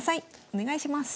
お願いします。